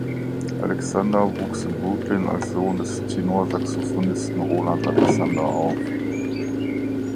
Alexander wuchs in Brooklyn als Sohn des Tenorsaxophonisten Roland Alexander auf.